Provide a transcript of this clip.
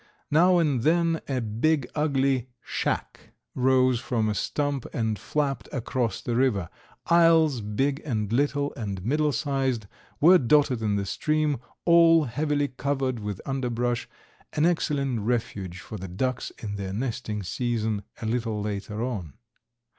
Now and then a big, ugly "shack" rose from a stump and flapped across the river. Isles big and little and middlesized were dotted in the stream, all heavily covered with underbrush, an excellent refuge for the ducks in their nesting season a little later on.